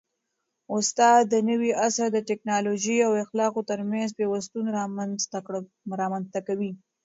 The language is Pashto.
استاد د نوي عصر د ټیکنالوژۍ او اخلاقو ترمنځ پیوستون رامنځته کوي.